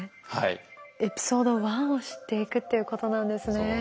エピソード１を知っていくっていうことなんですね。